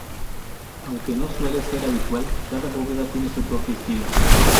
Aunque no suele ser habitual, cada bóveda tiene su propio estilo.